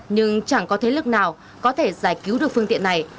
nhưng chẳng có thế lực nào có thể giải cứu được phương tiện này